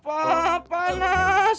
biar cepat sembuh